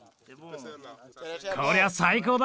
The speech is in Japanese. こりゃ最高だ！